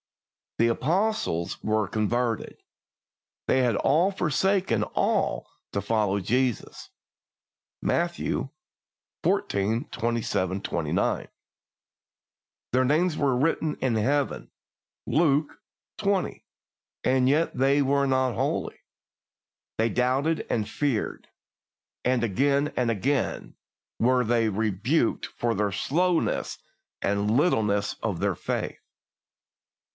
The Apostles were converted, they had forsaken all to follow Jesus (Matthew xix. 27 29), their names were written in Heaven (Luke x. 20), and yet they were not holy. They doubted and feared, and again and again were they rebuked for the slowness and littleness of their faith.